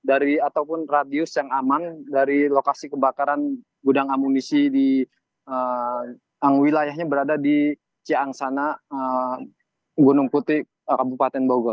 ataupun radius yang aman dari lokasi kebakaran gudang amunisi di angwila yang berada di ciangsana gunung putih kabupaten bogor